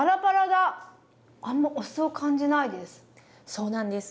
そうなんです。